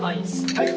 はい。